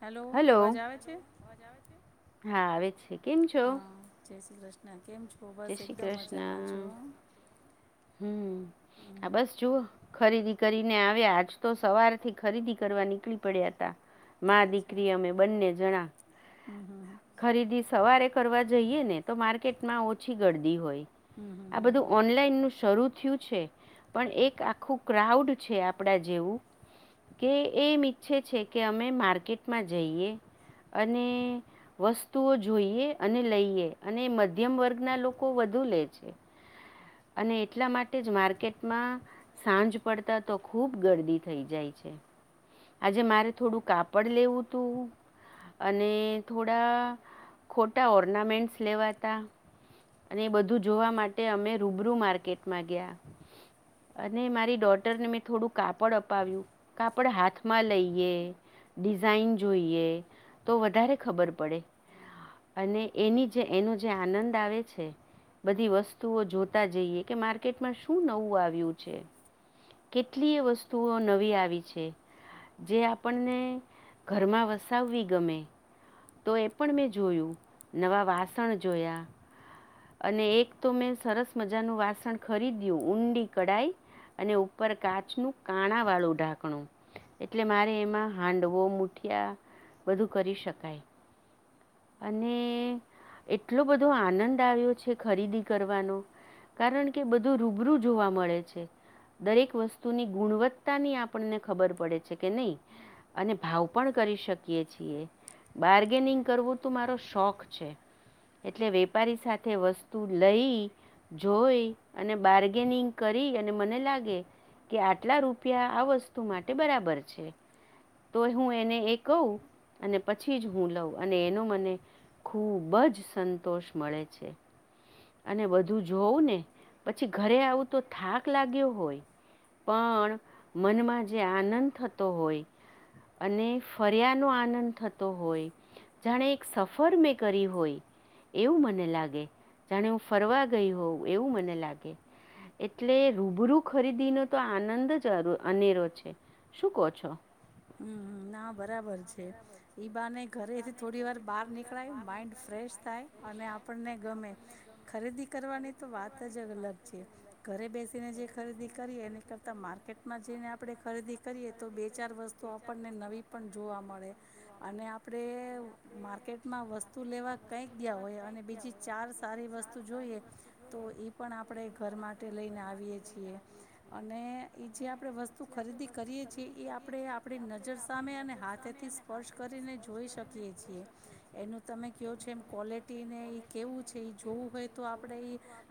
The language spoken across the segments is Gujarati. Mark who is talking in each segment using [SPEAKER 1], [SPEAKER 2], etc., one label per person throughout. [SPEAKER 1] હેલો અવાજ આવે છે.
[SPEAKER 2] હા આવે છે.
[SPEAKER 1] હા. શ્રી કૃષ્ણ.
[SPEAKER 2] જય શ્રી કૃષ્ણ હમ આ બસ જુઓ ખરીદી કરી. ને આવ્યા આજ તો સવારથી ખરીદી કરવા નીકળી પડ્યા હતા. દીકરી અમે બંને જણા ખરીદી સ સવારે કરવા જઈએ ને તો માર્કેટમાં ઓ ઓછી ગરદી હોય. આ બધું ઓનલાઈન નું શરૂ થયું પણ એક આખું ક્રાઉડ છે આપણા જેવું કે એમ ઈચ્છે છે કે અમે માર્કેટમાં જઈએ અને વસ્તુઓ જોઈએ અને લઈએ અને મધ્યમ વર્ગ ના લોકો વધુ લે છે અને એટલા માટે જ માર્કેટમાં સાંજ પડતા તો ખુબ ગરદી થઈ જાય છે. આજે મારે થોડું કાપડ લેવું તું અને થોડા ખોટા ઓર્નામેન્ટ્સ લેવા ત અને બધું જોવા માટે અમે રૂબરૂ માર્કેટમાં ગયા અને મારી ડોટરને મેં થોડું કાપડ અપાવ્યું કાપડ હાથમાં લઈએ ડિઝઇન જોઈએ તો વધારે ખબર પડે અને એની જે એનો જે આનંદ આવે બધી વસ્તુઓ જોતા જઈએ કે માર્કેટમાં શું નવું આવ્યું છે કેટલી એ વસ્તુઓ નવી આવી છે જે આપણને ઘરમાં વસાવવી ગમે તો એ પણ મેં જોયું નવા વાસણ જોયા. અને એક તો મેં સરસ મજાનું વાસણ ખરીદ્યું ઊંડી કઢાઈ અને ઉપર કાચ નું કાણા વાળું ઢાંકણું એટલે મારે એમાં હાંડવો મુઠિયા બધું કરી શકાય. અને એટલો બધો આનંદ આવ્યો છે ખરીદી કરવાનો કારણ કે બધું રૂબરૂ જોવા મળે છે દરેક વસ્તુની ગુણવત્તાની આપણને ખબર પડે છે કે નહી અને ભાવ પણ કરી શકીએ છીએ બાર્ગેનિંગ કરવું એ તો મારો શોખ છે એટલે વેપારી સાથે વસ્તુ લઈ, જોઈ અને બાર્ગેનિંગ કરી અને મને લાગે કે આટલા રૂપિયા આ વસ્તુ માટે બરાબર છે તો હું એને એ કહું અને પછી જ હું લઉ અને એનો ને ખૂબ જ સંતોષ મળે છે. અને બધું જોવું ને પછી ઘરે આવું તો થાક લાગ્યો હોય પણ મનમાં જે આનંદ થતો હોય અને ફર્યા નો આનંદ થતો હોય જાણે એક સફર મેં કરી હોય એવું મને લાગે. જાણે હું ફરવા ગઈ હોઉં એવું મને લાગે એટલે રૂબરૂ ખરીદીનો તો આનંદ જ અધૂ અનેરો છે શું કહો છો?
[SPEAKER 1] ના બરાબર છે ઈ બાને ઘરેથી થોડી વાર બહાર નીકળાય માઈન્ડ ફ્રેશ થાય અને આપણને ગમે. ખરે દીખ. કરવાની તો વાત જ અલગ છે ઘરે બેસીને જે ખરીદી કરીએ એને કરતા માર્કેટમાં જઈને આપણે ખરીદી કરીએ તો બે ચાર વસ્તુ પણને નવી પણ જોવા મળે અને આપડે માર્કેટમાં વસ્તુ લેવા કંઈક ગયા હોય અને બીજી ચાર સારી વસ્તુ જોઈએ તો એ પણ આપડે ઘર માટે લઈને આવીએ છીએ અને એ જે આપડે વસ્તુ ખરીદી કરીએ છીએ એ આપડે આપ પડી નજર સામે અને હાથેથી સ્પર્શ કરીને જોઈ શકીએ છીએ એનું તમે કહો છે એમ ક્વલિટીને એ કેવું છે એ જોવું હોય તો આ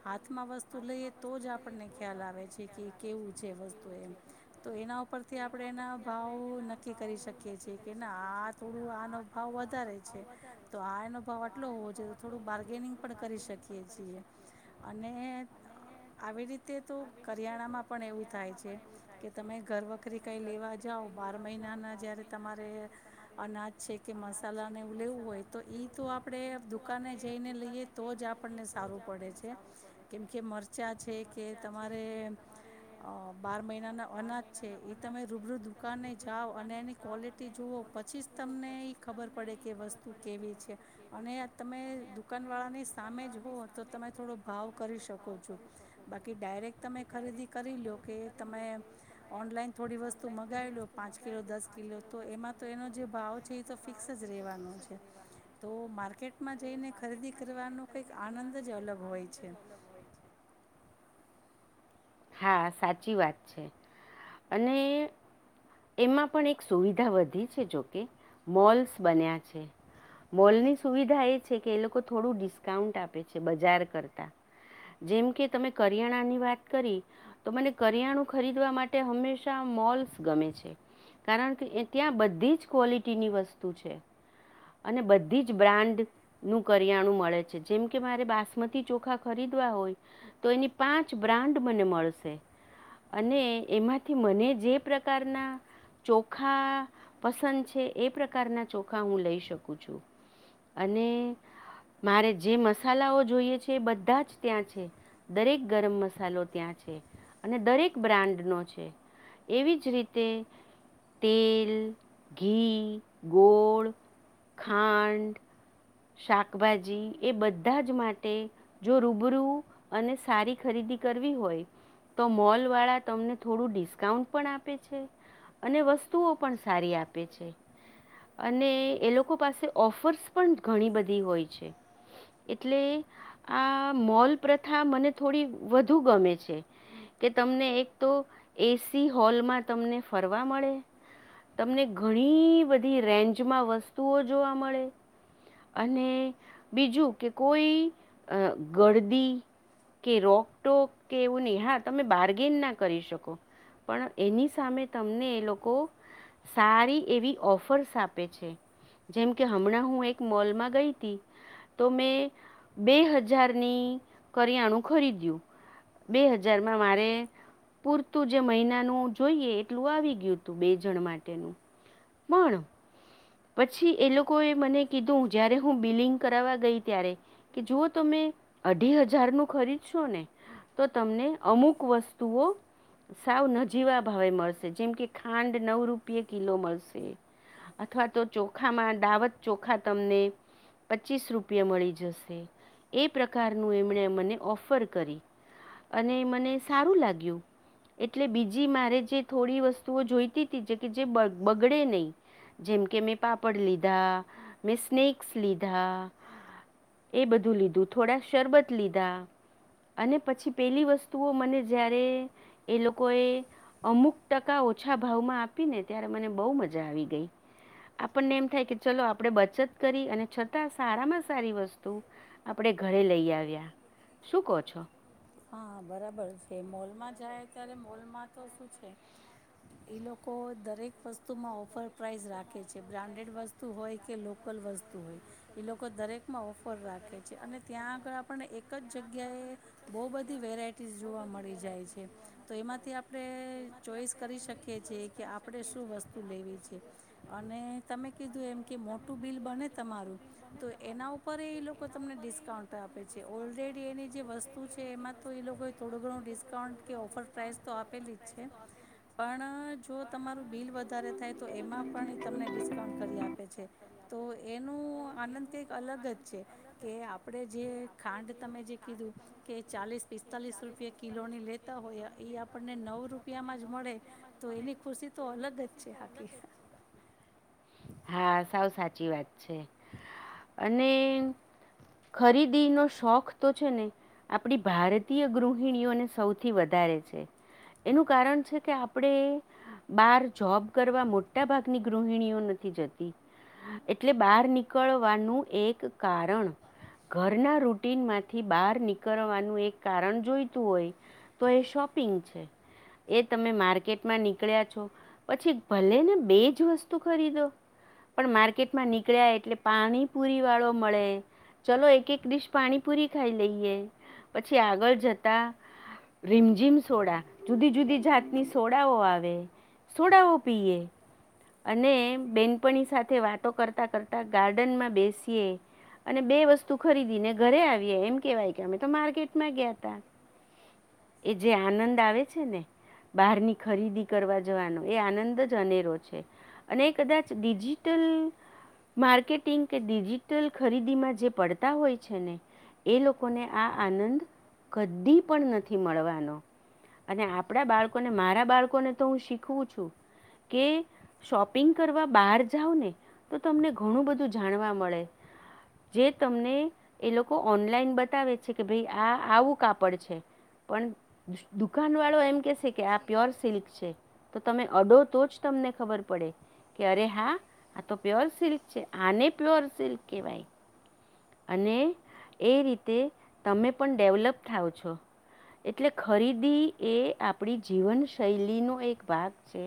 [SPEAKER 1] હાથમાં વસ્તુ લઈએ તો જ આપણને ખ્યાલ આવે છે કે કેવું છે વસ્તુ એમ તો એના ઉપરથી આપડે એના ભાવ નક્કી કરી શકીએ છ છે કે ના આ થોડું આનો ભાવ વધારે છે તો આનો ભાવ આટલો હોવો જો તો થોડું બાર્ગેનિંગ પણ કરી શકીએ છીએ અને આવી રીતે તો કરિયાણામાં પણ એવું થાય છે કે તમે ઘરવખરી કઈ લેવા જાવ બાર મહિનાના જ્યારે તમારે અનાજ છે કે મસાલાને એવું લેવું હોય તો એ તો આપડે દુકાને જઈને લઈએ તો જ આપણને સારું પડે છે કેમ કે મરચાં છે કે તમારે બાર મહિનાના અનાજ છે એ તમે રૂબરૂ નઈ જાઓ અને એની ક્વોલિટી જુઓ પછી જ તમને એ ખબર પડે કે વસ્તુ કેવી છે અને તમે દુકાનવાળાની સામે જ તો તમે થોડો ભાવ કરી શકો છો બાકી ડાયરેક તમે ખરીદી કરી લો કે તમે ઓનલાઈન થોડી વસ્તુ મગ ગાયેલો પાંચ કિલો દસ કિલો તો એમાં તો એનો જે ભાવ છે એ તો ફિક્સ જ રહેવાનો છે તો માર્કેટમાં જઈને ખરીદી કરવાનું કંઈક આ આનંદ જ અલગ હોય છે.
[SPEAKER 2] હા સાચી વાત છે અને એમાં પણ એક સુવિધા વધી છે જોકે મોલ્સ બન્યા છે મોલની સુવિધા એ છે કે એ લોકો થોડું ડિસ્કાઉન્ટ આપ આપે છે બજાર કરતા જેમકે તમે કરિયાણાની વાત કરી તો મને કરિયાણું ખરીદવા માટે હંમેશા મોલ્સ ગમે છે કારણ કે ત્યાં બધી જ ક્વોલિટીની વસ્તુ છે અને બધી જ બ્રાન્ડ નું કરિયાણું મળે છે જેમ કે મારે બાસમતી ચોખા ખરીદવા હોય તો એની પાંચ બ્રાન્ડ મને મળશે અને એમાંથી મને જે પ્રકારના ચોખા પસંદ છે, એ પ્રકારના ચોખા હું લઈ શકું છું અને મારે જે મ સાલાઓ જોઈએ છે, એ બધા જ ત્યાં છે, દરેક ગરમ મસાલો ત્યાં છે, અને દરેક બ્રાન્ડનો છે, એવી જ રીતે તેલ, ઘી, ગોળ, ખાંડ, શાકભાજી એ બધ ધા જ માટે જો રૂબરૂ અને સારી ખરીદી કરવી હોય તો મોલવાળા તમને થોડું ડિસ્કાઉન્ટ પણ આપે છે, અને વસ્તુઓ પણ સારી આપે છે, અને એ લોકો પાસે ઓફર્સ પણ ઘણી બધી હોય છે. એટલે આ મોલ પ્રથા મને થોડી વધુ ગમે છે, કે તમને એક તો એસી હોલમાં તમને ફરવા મળે તમને ઘણી બધી રેન્જમાં વસ્તુઓ જોવા મળે અને બીજું કે કોઈ ગળદી કે રોકટોક કે એવું નહી હા તમે બાર્ગેન ના કરી શકો પણ એની સામે તમને એ લોકો સારી એવી ઓફર્સ આપે છે, જેમ કે હમણાં હું એક મોલમાં ગઈ હતી તો મેં બે હજારની કરિયાણું ખરીદ્યું, બે હજારમાં મારે પૂરતું જે મહિનાનું જોઈએ એટલું આવી ગ્યું તુ, બે જણ માટેનું પણ પછી એ લોકો એ મને કીધું જયારે હું બિલિંગ કરાવવા ગઈ ત્યારે કે જો તમે અઢી હજારનું ખરીદશો ને તો તમને અમુક વસ્તુઓ સાવ નજીવા ભાવે મળશે જેમ કે ખાંડ નવ રૂપિયે કિલો મળશે. અથવા તો ચોખામાં દાવત ચોખા તમને પચીસ રૂપિયા મળી જશે એ પ્રકારનું એમણે મને ઓફર કરી અને મને સારું લાગ્યું એટલે બીજી મારે જે થોડી વસ્તુઓ જોઈતી હતી જે કે જે બગ બગડે નય જેમકે મેં પાપડ લીધા, મેં સ્નેક્સ લીધા, એ બધું લીધું થોડા શરબત લીધા, અને પછી પેલી વસ્તુઓ મને જયારે એ લોકોએ અમુક ટકા ઓછા ભાવમાં આપી ને ત્યારે મને બહુ મજા આવી ગઈ આપણને એમ થાય કે ચલો આપણે બચત કરી અને છતાં સારામાં સારી વસ્તુ આપડે ઘરે લઈ આવ્યા, શું કહો છો?
[SPEAKER 1] હા બરાબર છે, મોલમાં જાય ત્યારે મોલમાં તો શું છે એ લોકો દરેક વસ્તુમાં ઓફર પ્રાઇઝ રાખે છે, બ્રાન્ડેડ વસ્તુ હોય કે લોકલ વસ્તુ હોય એ લોકો દરેકમાં ઓફર રાખે છે, અને ત્યાં આગળ આપણને એક જ જગ્યાએ બહુ બધી વેરાયટીઝ જોવા મળી જાય છે. તો એમાંથી આપણે ચોઈસ કરી શકીએ છીએ, કે આપણે શું વસ્તુ લેવી છે. અને તમે કીધું એમ કે મોટું બિલ બને તમારું તો એના ઉપરેય એ લોકો તમને ડિસ્કાઉન્ટ આપે છે, ઓલરેડી એની જે વસ્તુ શું છે એમાં તો એ લોકોએ થોડું ઘણું ડિસ્કાઉન્ટ કે ઓફર પ્રાઇસ તો આપેલી જ છે, પણ જો તમારું બિલ વધારે થાય તો એમાં પણ ઈ તમને ડિસ્કાઉન્ટ કરી આપે છે. તો એનું આનંદ કંઈક અલગ જ છે કે આપણે જે ખાંડ તમે જે કીધું
[SPEAKER 2] હા સાવ સાચ સાચી વાત છે. અને, ખરીદી નો શોખ તો છે ને આપડી ભારતીય ગૃહિણીઓને સૌથી વધારે છે. એનું કારણ છે કે આપણે, બાર જોબ કરવા મોટા ભાગની ગૃહણીઓ નથી જતી. એટલે બહાર નીકળવાનું એક કારણ ઘરના રૂટીનમાંથી બાર નીકળવાનું એક કારણ જોઈતું હોય, તો એ શોપિંગ છે. એ તમે માર્કેટમાં નીકળ્યા છો, પછી ભલે ને બેજ વસ્તુ ખરીદો. પણ માર્કેટમાં નીકળ્યા એટલે પાણીપુરીવાળો મળે. ચલો એક એક ડિશ પાણીપુરી ખાઈ લઈએ. પછી આગળ જતા, રીમઝીમ સોડા, જુદી જુદી જાતની સોડાઓ આવે, સોડાઓ પીએ. અને બેનપણી સાથે વાતો કરતા કરતા ગાર્ડનમાં બેસીએ અને બે વસ્તુ ખરીદીને ઘરે આવીએ. એમ કેવાય કે અમે તો માર્કેટમાં ગ્યા તા. એ જે આનંદ આવે છે ને, બહારની ખરીદી કરવા જવાનો, એ આનંદ જ અનેરો છે. અને કદાચ ડિજિટલ માર્કેટિંગ કે ડિજિટલ ખરીદીમાં જે પડતા હોય છે ને, એ લોકોને આ આનંદ કદી પણ નથી મળવાનો. અને આપણા બાળકોને, મારા બાળકોને તો હું શીખવું છું, કે શોપિંગ કરવા બહાર જાવ ને, તો તમને ઘણું બધું જાણવા મળે. જે તમને એ લોકો ઓનલાઈન બતાવે છે, કે ભાઈ, આ આવું કાપડ છે. પણ દુકાન વાળો એમ કેસે કે આ પ્યોર સિલ્ક છે. તો તમે અડો, તો જ તમને ખબર પડે. કે અરે હા આ તો પ્યોર સિલ્ક છે, આને પ્યોર સિલ્ક કહેવાય. અને, એ રીતે તમે પણ ડેવલપ થાવ છો. એટલે ખરીદી એ આપણી જીવનશૈલીનો એક ભાગ છે.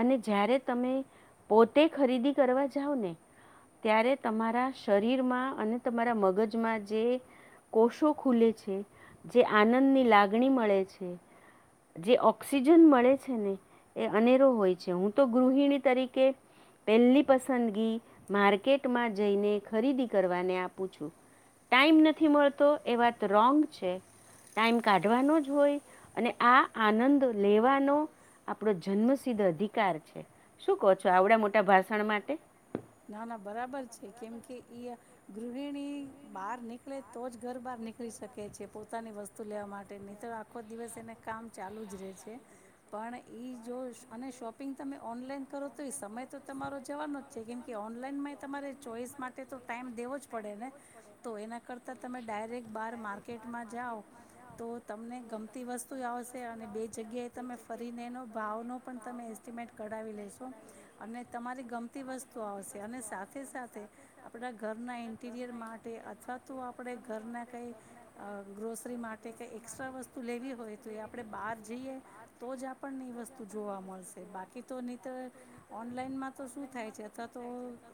[SPEAKER 2] અને જ્યારે તમે પોતે ખરીદી કરવા જાઓ ને, ત્યારે તમારા શરીરમાં અને તમારા મગજમાં જે કોષો ખુલે છે, જે આનંદની લાગણી મળે છે, જે ઓક્સિજન મળે છે ને, એ અનેરો હોય છે. હું તો ગૃહિણી તરીકે પહેલી પસંદગી માર્કેટમાં જઈને ખરીદી કરવાને આપુ. પૂ છું. ટાઈમ નથી મળતો, એ વાત રોંગ છે. ટાઈમ કાઢવાનો જ હોય, અને આ આનંદ લેવાનો આપણો જન્મસિદ્ધ અધિકાર છે. શું કહો છો, આવડા મોટા ભાષણ માટે?
[SPEAKER 1] ના ના બરાબર છે કેમ કે ઈ ગૃહિણી બહાર નીકળે, તો જ ઘર બહાર નીકળી શકે છે, પોતાની વસ્તુ લેવા માટે. નહીં તો આખો દિવસ એને કામ ચાલુ જ રહે છે. પણ એઈ જો અને શોપિંગ તમે ઓનલાઈન કરો તોય સમય તો તમારો જવાનો જ છે. કે ઓનલાઈનમાં એ તમારે ચોઈસ માટે તો ટાઈમ દેવો જ પડે ને? તો એના કરતાં તમે ડાયરેક બહાર માર્કેટમાં જાઓ, તો તમને ગમતી વસ્તુ ય આવશે, અને બે જગ્યાએ તમે ફરીને એનો ભાવનો પણ તમે એસ્ટિમેટ કઢાવી લેશો અને તમારી ગમતી ની વસ્તુ આવશે અને સાથે સાથે આપણા ઘરના ઇન્ટીરિયર માટે અથવા તો આપણે ઘરના કંઈ અહ ગ્રોસરી માટે કઈ એક્સ્ટ્રા વસ્તુ લેવી હોય તો એ આપણે બહાર જઈએ તો જ આપણને એ વસ્તુ જોવા મળશે, બાકી તો નહીતર ઓનલાઈનમાં તો શું થાય તા તો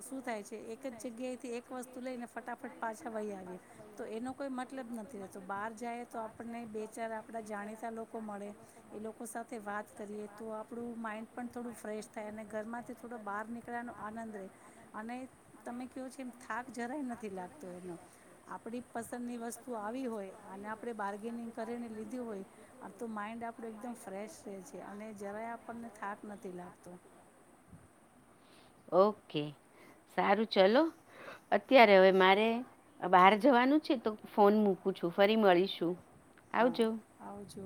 [SPEAKER 1] શું થાય છે એક જ જગ્યાએથી એક વસ્તુ લઈને ફટાફટ પાછા વહી આવીએ, તો એનો કોઈ મતલબ નથી રહેતો બહાર જાય તો આપણને બે ચાર આપણા જાણીતા લોકો મળે એ લોકો સાથે વાત કરીએ તો આપણું માઈન્ડ પણ થોડું ફ્રેશ થાય, અને ઘરમાંથી થોડો બહાર નીક ત્યાં નો આનંદ રે અને તમે ક્યો છો એમ થાક જરાય નથી લાગતો એનો આપણી પસંદની વસ્તુ આવી હોય અને આપણે બાર્ગેનિંગ કરીને લીધી હોય, આ તો માઈન્ડ આપણું એકદમ ફ્રેશ રહે છે અને જરાય આપણને થાક નથી લાગતો.
[SPEAKER 2] ઓકે, સારું ચલો અત્યારે હવે મારે બહાર જવાનું છે, તો ફોન મૂકું છું. ફરી મળીશું.
[SPEAKER 1] હા, આવજો.